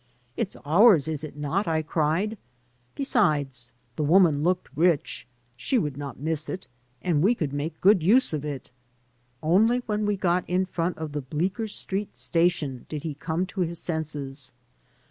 "It's ours, is it not?" I cried. "Besides the woman looked rich; she would not miss it, and we could make good use of it." Only when we got in front of the Bleecker Street station did he come to his senses.